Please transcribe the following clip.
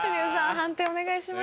判定お願いします。